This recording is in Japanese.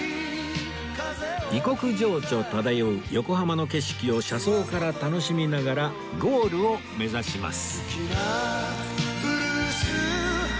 異国情緒漂う横浜の景色を車窓から楽しみながらゴールを目指します